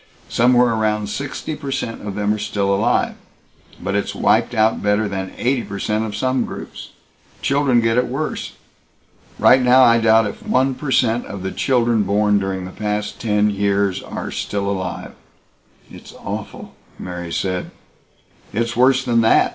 Somewhere around sixty per cent of them are still alive, but it's wiped out better than eighty per cent of some groups. Children get it worse. Right now I doubt if one per cent of the children born during the past ten years are still alive." "It's awful!" Mary said. "It's worse than that.